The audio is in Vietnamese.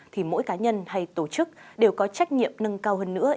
thì mỗi cá nhân hay tổ chức đều có trách nhiệm nâng cao hơn nữa